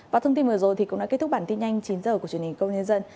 và thông tin vừa rồi cũng đã kết thúc bản tin nhanh chín h của truyền hình công nhân dân